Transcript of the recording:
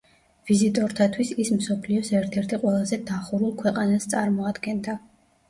ვიზიტორთათვის ის მსოფლიოს ერთ-ერთი ყველაზე დახურულ ქვეყანას წარმოადგენდა.